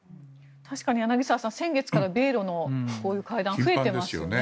確かに柳澤さん先月から米ロの会談は増えてますよね。